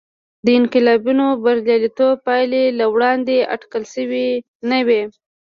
د انقلابینو بریالیتوب پایلې له وړاندې اټکل شوې نه وې.